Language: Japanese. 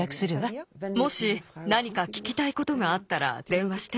もしなにかききたいことがあったらでんわして。